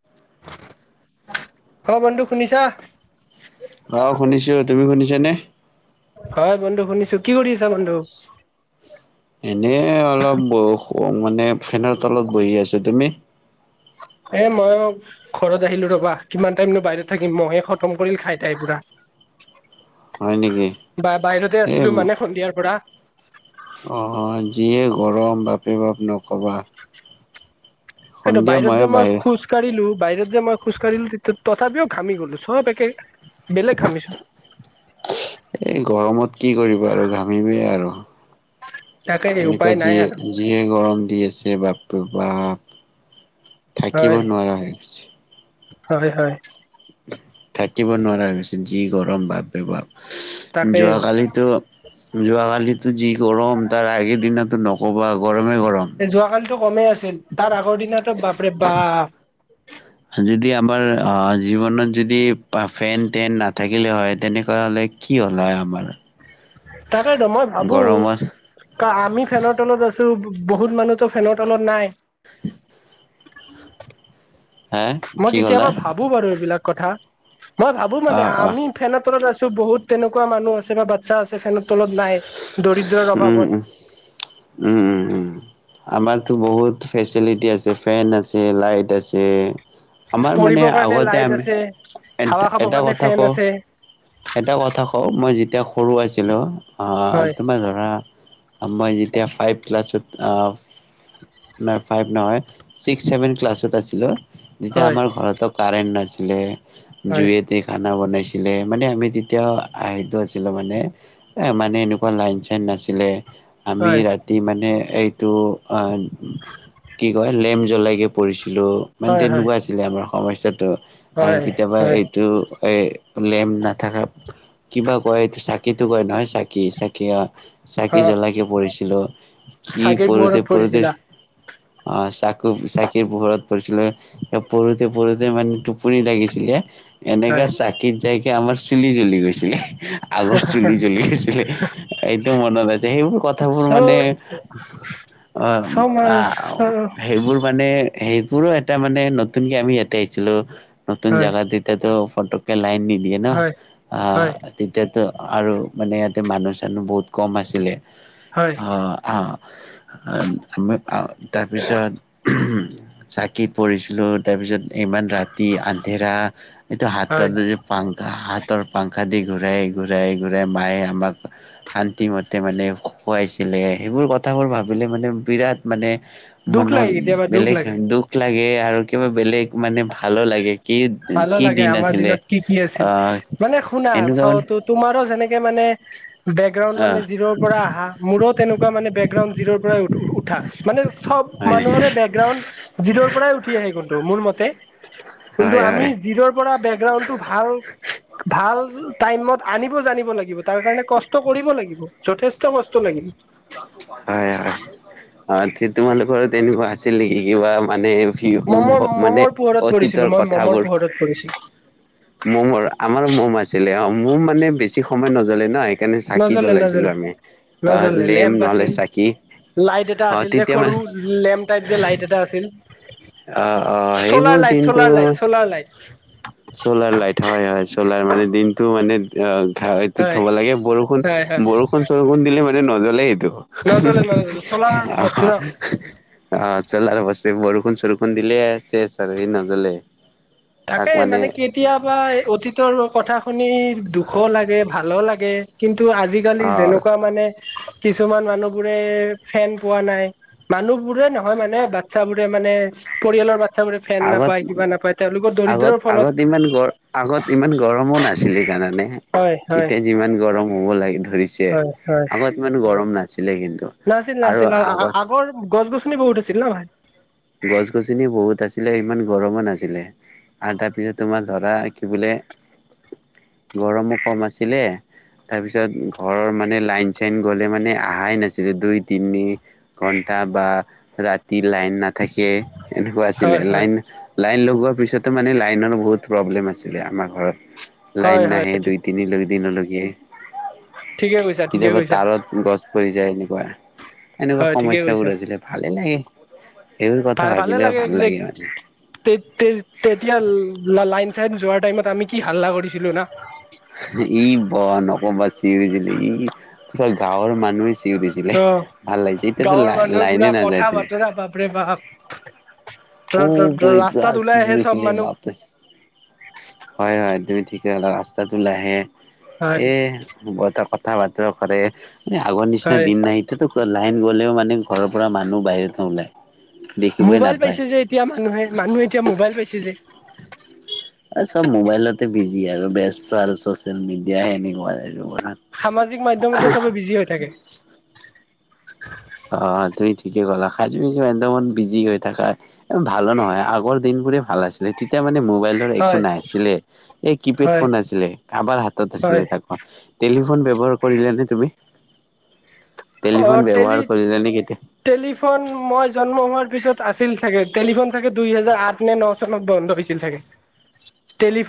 [inaudible] অ বন্ধু শুনিছা অ', শুনিছোঁ, তুমি শুনিছা নে? হয় বন্ধু শুনিছোঁ, কি কৰি আছা বন্ধু? এনেই অলপ মানে বৰষ ফেনৰ তলত বহি আছোঁ, তুমি [inaudible] এ মই ঘৰত আহিলো ৰ'বা কিমান টাইমনো বাহিৰত থাকিম মহে খতম কৰিল খাই তাই পুৰা। হয় নেকি? বা বাহিৰতে এই আছিলোঁ মানে সন্ধিয়াৰ পৰা। অ', যিয়ে গৰম বাপে বাপ নক'বা। সেইটো সন্ধিয়া বাহিৰত ময়ো যে মই খোজ কঢ়িলো বাহিৰত যে মই খোজ কঢ়িলো তথাপিও ঘামি গ'লো চব একে বেলেগ ঘামিছো। [inaudible] এই গৰমত কি কৰিবা আৰু ঘামিমে আৰু। তাকে উপায় এনেকুৱা নাই যিয়ে, আৰু যিয়ে গৰম দি আছে। সেই বাপে বাপ থাকিব হয় নোৱাৰা হৈ গৈছে। হয়, হয়। থাকিব নোৱাৰা হৈছে যি গৰম বাপৰে বাপ। তাকেই যোৱাকালিটৌ যোৱাকালিতটো যি গৰম তাৰ আগে দিনত নক'বা গৰম এ যোৱাকালিটো কমেই আছিল তাৰ আগৰ দিনাটো বাপৰে বাপ। যদি আমাৰ অ', জীৱনত যদি ফেন টেন নাথাকিলে হয় তেনেকুৱা হ'লে কি হ'লা হয় আমাৰ। তাকেইটো মই ভাবো গৰমত কা আমি ফেনৰ তলত আছ টো বহুত মানুহটো ফেনৰ তলত নাই। হা মই কি ক'লা কেতিয়াবা ভাবো বাৰু এইবিলাক কথা। মই ভাবো অ মানে অ আমি ফেনৰ তলত আছোঁ বহুত তেনেকুৱা মানুহ আছে বাচ্চা আছে ফেনত তলত নাই দৰিদ্ৰৰ উম উম অভাৱত। আমাৰটো বহুত ফেচিলিটি আছে, ফেন আছে, লাইট আছে। আমাৰ মানে পঢ়িবৰ কাৰণে আগতে লাইট আমি, আছে। এট হাৱা খাবৰ এটা কাৰণে কথা ফেন কওঁ। আছে এটা কথা কওঁ, মই যেতিয়া সৰু আছিলো অহ, হয় তোমাৰ ধৰা আম্মা যেতিয়া ফাইভ ক্লাছত অ' নাই ফাইভ নহয়, চিক্সছেভেন ক্লাছত আছিলো। যেতিয়া হয় আমাৰ ঘৰটো কাৰেণ্ট নাছিলে, হয় জুইতে খানা বনাইছ ছিলে মানে আমি তেতিয়া আহিদ আছিলো মানে এ মানে এনেকুৱা লাইন চাইন নাছিলে। আমি হয়। ৰাতি মানে এইটো অ', কি কয় লেম্প জ্বলাইকে পঢ়িছিলোঁ, মানে হয় হয় তেনেকুৱা আছিলে আমাৰ সমস্যাটো। আৰু হয় কেতিয়াবা হয় এইটো এ লেম্প নাথাকা কিবা কয় এই চাক কিটো কয় নহয় চাকি, চাকি অ', চাকি অ জ্বলাইকে পঢ়িছিলোঁ। কি চাকিৰ পঢ়োতে পোহৰত পঢ়োতে পৰিছিলা অ', চাকু চাকিৰ পোহৰত পঢ়িছিলোঁ, এ পঢ়োতে, পঢ়োতে মানে টোপনি লাগিছিলে। এনেকা হয়। চাকিত যায়কে আমাৰ চুলি জ্বলি গৈছিলে, আগৰ চুলি জ্বলি গৈছিল। এইটো মনত আছে সেইবোৰ কথাবোৰ চ' মানে চ' মই অ' সেইবোৰ মানে সেইবোৰো এটা মানে নতুনকে আমি ইয়াতে আহিছিলো নতুন হয় জেগাত এতিয়া ফটকে লাইন নিদিয়ে ন, হয় আহ হয় তেতিয়াতো আৰু মানে এ মানুহ চানুহ বহুত কম আছিলে হয় আহ আহ আমি তাৰপিছত চাকিত পঢ়িছিলো, তাৰপিছত ইমান ৰাতি আন্ধেৰা এইটো হাতৰ হয় যে পাংখা হাত ৰ পাংখা দি ঘূৰাই ঘূৰাই ঘূৰাই মায়ে আমাক শান্তি মতে মানে খুৱাইছিলে সেইবোৰ কথাবোৰ ভাবিলে মানে বিৰাট মানে দুখ মনত লাগে কেতিয়াবা দুখ বেলেগ লাগে। দুখ লাগে আৰু কিবা বেলেগ মানে ভালো লাগে। কি ভালো কি লাগে দিন আমাৰ আছিলে দিনত কি কি আছিল। আহ মানে শুনা এনেকুৱা মানে চাওতো তোমাৰো যেনেকে কে বেকগ্ৰাউণ্ড আহ মানে জিৰ'ৰ পৰা আহা মোৰো তেনেকুৱা মানে বেকগ্ৰাউণ্ড জিৰ'ৰ পৰা উঠা। মানে সব হয় মানুহৰে বেকগ্ৰাউণ্ড জিৰ'ৰ পৰাই উঠি আহে কিন্তু মোৰ মতে। কিন্তু হয়। আমি জিৰ'ৰ পৰা বেকগ্ৰাউণ্ডটো ভাল ভাল টাইমট আনি ব জানিব লাগিব, তাৰ কাৰণে কষ্ট কৰিব লাগিব যথেষ্ট কষ্ট লাগিব। হয় হয় অ' ঠিক তোমালোকৰ তেনেকুৱা আছিল নেকি কিবা মানে মমৰ মানে মমৰ পোহৰত পৰিছিলো অতীতৰ মই মমৰ কথাবোৰ। পোহৰত পৰিছিলো ম'মৰ আমাৰ ম'ম আছিলে অ' ম'ম মানে বেছি সময় নজ্বলে ন। এনেই চাকি নজ্বলে নজ্বলে জ্বলাইছিলো আমি। অ' নজ্বলে লেম লেম্প আছিল নহলে চাকি। লাইট এটা অ', আছিল যে তেতিয়া মানে সৰু লেম্প টাইপ যে লাইট এটা আছিল। আহ আহ চলাৰ সেইবোৰ লাইট দিনটো solar light solar light solar light হয় হয় চ'লাৰ মানে দিনটো মানে অ' ঘ এইটোত হয় থব লাগে বৰষুণ হয় হয় বৰষুণ চৰষুণ দিলে মানে নজ্বলে সেইটো। নজলে নজলে চলাৰ বস্তু আহ ন অ' চ'লাৰ বস্তু, বৰষুণ চৰষুণ দিলে চেছ আৰু সি নজ্বলে। তাকে মানে কেতিয়াবা অতীতৰ কথা শুনি দুখো লাগে ভালো লাগে, কিন্তু আজিকালি অ', যেনেকুৱা মানে কিছুমান মানুহ বোৰে ফেন পোৱা নাই, মানুহ বোৰে নহয় মানে বাচ্ছাবোৰে। মানে পৰিয়ালৰ বাচ্ছাবোৰে ফেন আগত নাপায় কিবা নাপায়। তেওঁলোকৰ আগত দৰিদ্ৰৰ ফলত আগত ইমান গৰমো আগত ইমান গৰমো নাছিলে ইকাৰণে। হয় হয় এতিয়া যিমান গৰম হ'ব লাগে ধৰিছে হয় হয় আগত ইমান গৰম নাই। নাছিল নাছিল আগৰ গছ গছনি বহুত আছিল ন ভাই। গছ গছনি বহুত আছিলে ইমান গৰমো নাছিলে। আৰু তাৰপিছত তোমাৰ ধৰা কি বোলে গৰমো ক'ম আছিলে তাৰপিছত ঘৰৰ মানে লাইন চাইন গ'লে মানে অহাই নাছিলে দুই তিনি ঘণ্টা। ই বা ৰাতি লাইন নাথাকে এনেকুৱা আছিলে হয় হয় লাইন লাইন লগোৱা তাৰপিছতো মানে লাইনৰ বহুত প্ৰব্লেম আছিলে আমাৰ ঘৰত। হয় লাইন হয় নাহে দুই তিনি দিনলৈকিয়। ঠিকে কৈছা ঠিকে কেতিয়াবা কৈছা তাৰত গছ পৰি যায় এনেকুৱা। এনেকুৱা হয় ঠিকে সমস্যাবোৰ আজিলে, ভালে লাগে। সেইবোৰ ভা কথা ভাল ভাল ভাবিলেও লাগে তে মানে তে তে তেতিয়া লাইট যোৱা টাইমত আমি কি হাল্লা কৰিছিলো না। ই ব ন অকব চিছিল নে গাঁৱৰ মানুহে চিঞছিলে অ ভাল লাগিছে, এতিয়াতো গাঁৱৰ লা মানুহৰ লাইনে পুৰা কথা নাযায়টো। বতৰা বাপৰে বাপ অ' বুলি পুৰা ৰাস্তাত ওলাই আহে চব চিঞৰিছিলে মানুহ বাপৰে। হয় হয় তুমি ঠিক ৰাস্তাত ওলাই হয় আহে কিবা এটা কথা বতৰা কৰে এই আগৰ নিচিনা হয় দিন নাই, এতিয়াতো লাইন গ'লেও মানে ঘৰৰ পৰা মানুহ বাহিৰ নোলায়। দেখিবই মোবাইল নাপায়। পাইছে যে এতিয়া মানুহে মানুহে এতিয়া মোবাইল লইছে যে। চ'ব মোবাইলতে বিজি আৰু ব্যস্ত আৰু চচিয়েল মিডিয়া এনেকুৱা। সামাজিক মাধ্যমতে চবে বিজি হৈ থাকে। অ' তুমি ঠিকে ক'লা [unintelligible] বিজি হৈ থাকা ভালো নহয় আগৰ দিন। বোৰে ভাল আছিলে তেতিয়া মানে। মোবাইল একো হয় নাছিলে এই কি পেড হয় ফোন আছিলে কাৰবাৰ হাতত হয় আছিলে তাকো টেলি টেলিফোন ব্যৱহাৰ কৰিছানে তুমি? টেলিফোন অ' ব্যৱহাৰ টেলি কৰিলা নে কেতিয়া টেলিফোন মই জন্ম হোৱাৰ পিছত আছিল চাগে টেলিফোন দুই হাজাৰ আঠ নে ন চনত বন্ধ হৈছিল চাগে। টেলি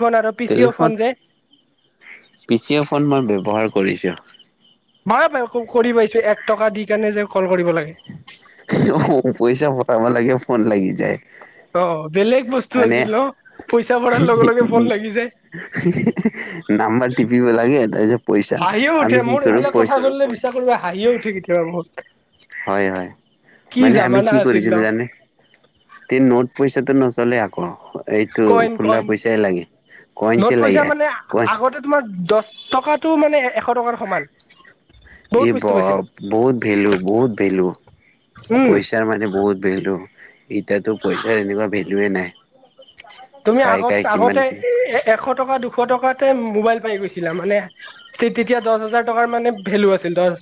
টেলিফোন পিচিঅ'ফোন মই ব্যৱহাৰ কৰিছো। ময়ো ব্যৱ কৰি পাইছো এক টকা দি কেনে যে কল কৰিব লাগে অ' পইচা পতাব লাগে ফোন লাগি যায়। অ' বেলেগ বস্তু মানে আছিল ন পইচা ভৰাৰ লগে লগে ই ফোন লাগি যায়। নাম্বাৰ টিপিব লাগে। তাৰপিছত পইচা হাঁহিও উঠে, আমি কি মোৰ কৰো এইবিলাক কথা পইচা শুনিলে বিশ্বাস কৰিবা হাঁহিয়ে উঠে কেতিয়াবা মোৰ। হয়, হয়, কি মানে আমি জামানা কি আছিল ন কৰিছিলো জানে তিন নোট। পইচাটো নচলে আকৌ এইটো কইন খোলা কইন পইচাহে লাগে। নোট কইনছে লাগে পইচা মানে কইন আগতে তোমাৰ দহ টকাটো মানে এশ টকাৰ সমান। বহুত এই বস্তু বা পাইছিল বহুত ভেলু বহুত ভেলু। উম পইচাৰ মানে বহুত ভেলু এতিয়াতো পইচাৰ এনেকুৱা ভেলুৱেই নাই। তুমি কাই কাই আগতে কিমান আগতে এ এশ টকা দুশ টকাত তে মোবাইল পাই গৈছিলা মানে তে তেতিয়া দহ হাজাৰ টকা মানে ভেলু আছিল দচ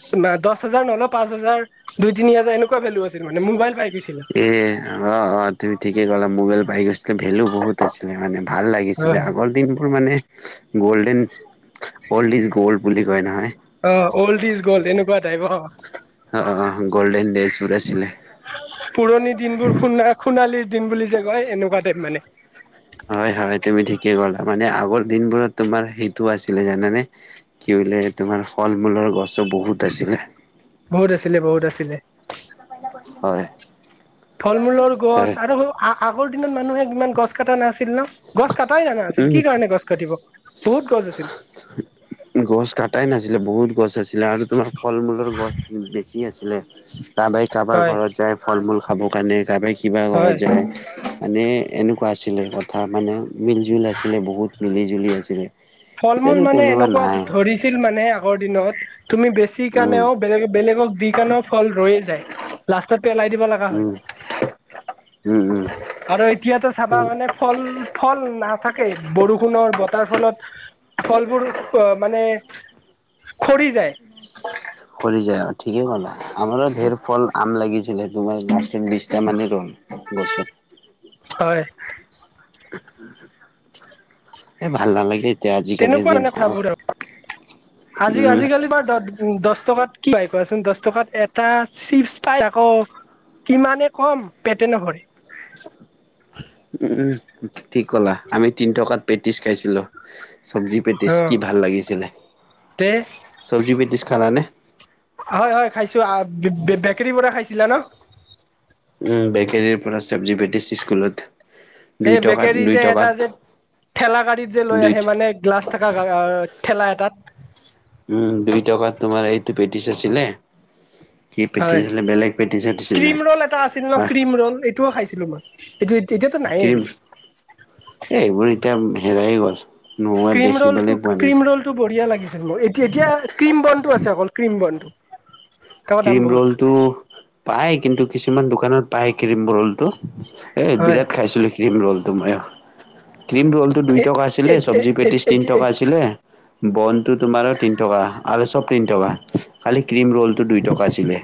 দচ হাজাৰ নহ'লেও পাঁচ হাজাৰ দুই তিনি হাজাৰ এনেকুৱা ভেলু আছিল মানে মোবলাই পাই। গৈছিলা এ অ' অ' তুমি ঠিকেই ক'লা মোবাইল পাই গৈছিল। ভেলু বহুত আছিলে মানে ভাল লাগিছিলে হয় আগৰ দিনবোৰ মানে গ'ল্ডেন অল্ড ইজ গ'ল্ড বুলি কয় নহয়। অ' অল্ড ইজ গ'ল্ড এনেকুৱা টাইপ অ' অ' অ' গ'ল্ডেন ডেজ বোৰ আছিলে। পুৰণি দিনবোৰ সু সোণালীৰ দিন বুলি যে কয় এনেকুৱা টাইপ মানে। হয়, হয়, তুমি ঠিকে ক'লা মানে আগৰ দিনবোৰত তোমাৰ সেইটোও আছিলে জানানে কি। বোলে তোমাৰ ফল মূলৰ গছো বহুত আছিলে। বহুত আছিলে বহুত আছিলে হয়। ফল মূলৰ তাই গছ আৰু আগৰ দিনত মানুহে ইমান গছ কটা নাছিল। ছিল ন গছ কটাই নাছিল উম, কি কাৰণে গছ কাটিব। বহুত গছ আছিল গছ কটাই নাছিলে বহুত গছ আছিলে আৰু তোমাৰ। ফল মূলৰ গছ বেছি আছিলে। কাৰোবাই কাৰোবাৰ হয় ঘৰত যায় ফল মূল খাব কাৰণে কাৰাবাই কিবা ঘৰত হয় যায়। মানে এনেকুৱা আছিলে কথা মানে মিল জুল আছিলে বহুত মিলি জুলি আছিলে। ফল মূল এতিয়াতো মানে তেনেকুৱা এনেকুৱা নাই ধৰিছিল মানে আগৰ দিনত। তুমি বেছি উম, কাণেও বেলেগ বেলেগক দি কাণৰ ফল ৰয়ে যায় লাষ্টত পেলাই দিব লগা হয়। [unintelligible] [unintelligible] উম, আৰু এতিয়াতো চাবা উম। মানে ফল ফল নাথাকে বৰষুণৰ বতৰ তাৰ ফলত ফলবোৰ মানে খৰি যায়। খৰি যায় আৰু ঠিকেই ক'লা আমাৰো ধেৰ ফল আম লাগিছিলে তোমাৰ বিছটা মানে ৰল গছত। হয় এই ভাল নালাগে। এতিয়া আজিকালিৰ তেনেকুৱা দিন এনে খাবোৰ আৰু আজি উম আজিকালি বাৰ দ দহ টকাত কি পাই কোৱাচোন দহ টকাত এটা চিপছ পাই আকৌ। কিমানে কম পেটে নভৰে। উম', উম', ঠিক ক'লা আমি তিনি টকাত পেটিছ খাইছিলোঁ। চব্জি অ পেটিচ কি ভাল লাগিছিলে। তে চব্জি পেটিচ খালানে? হয়। হয়। খাইছো আ, বে-বেকেৰিৰ পৰা খাইছিলা ন'? উম, বেকেৰিৰ পৰা চব্জি পেটিছ স্কুলত। সেই দুই টকাত বেকেৰী দুই যে এটা টকাত যে ঠেলা গাড়ীত যে লৈ দুই আহে মানে গ্লাছ থকা আ ঠেলা এটাত। উম, দুই টকাত তোমাৰ এইটো পেটিছ আছিল। কি পেটিচ হয়। ছিলে বেলেগ পেটিচ দিছিলে ক্ৰীম ৰ'ল এটা আছিল ন আহ। ক্ৰীম ৰ'ল এইটোও খাইছিলো মই এইটো এতিয়াতো নাইয়ে কিম এইবিলাক এ, এইবোৰ এতিয়া ম হেৰায়ে গ'ল। নোহোৱা ক্ৰীম দেখিবলৈ ৰ'লটো পোৱা নাযায় ক্ৰিম ৰ'লটো বঢ়িয়া লাগিছিল মোৰ। এতিয়া এতিয়া ক্ৰীম বনটো আছে অকল ক্ৰীম বনটো। তাৰ দাম ক্ৰীম বহুত ৰ'লটো পায় কিন্তু কিছুমান দোকানত পায়। ক্ৰীম ৰো'লটো এই হয় বিৰাট খাইছিলোঁ ক্ৰীম ৰো'লটো মইও। ক্ৰীম ৰ'লটো দুই এ টকা আছিলে চব্জি পেটিছ তিনি টকা আছিলে। বনটো তোমাৰ তিনি টকা আৰু চব তিনি টকা খালি ক্ৰীম ৰল তো দুই টকা আছিলে।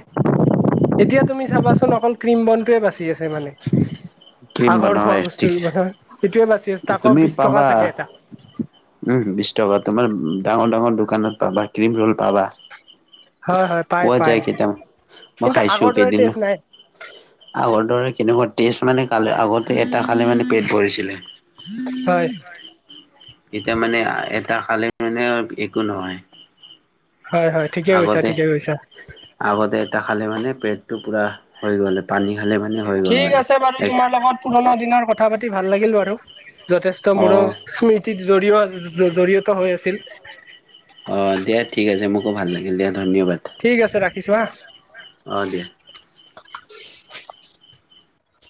এতিয়া তুমি চাবাচোন অকল ক্ৰীম বনটোৱে বাছে আছে মানে, ক্ৰীম আগৰ খোৱা বনাই ঠিক বস্তুৰ এটোৱে তুমি পাবা উম, বিশ টকা তোমাৰ ডাঙৰ ডাঙৰ দোকানত পাবা ক্ৰীম ৰোল পাবা। হয় হয় পাই পোৱা পাই যায় কেইটাম মই কিন্তু খাইছো আগৰ দৰে কেইদিন। টেষ্ট নাই আগৰ দৰে কেনেুৱ তেছ মানে কাল আগতে এটা খালি মানে পেট ভৰিছিলে। হয় এতিয়া মানে আ, এটা খালে মানে একো নহয়। হয় হয় ঠিকে কৈছা আগতে ঠিকে কৈছা আগতে এটা খালে মানে পেটটো পুৰা হৈ গ'লে। ঠিক আছে বাৰু তোমাৰ লগত পুৰণা দিনৰ কথা পাতি ভাল লাগিল বাৰু যথেষ্ট অ মোৰ ও, স্মৃতিৰ জৰিয়-জৰিয়ত ত হৈ আছিল। অ' দিয়া ঠিক আছে মোকো ভাল লাগিল দিয়া। ধন্যবাদ ঠিক আছে, ৰাখিছো হা। অ' দিয়া।